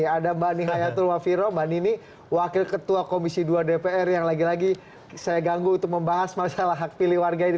ada mbak nihayatul wafiro mbak nini wakil ketua komisi dua dpr yang lagi lagi saya ganggu untuk membahas masalah hak pilih warga ini